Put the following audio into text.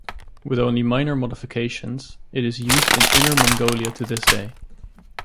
With only minor modifications, it is used in Inner Mongolia to this day.